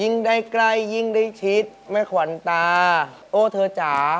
รู้สึกอิจฉาคุณแอมที่ได้คุณฝนแต่งกรณ์ให้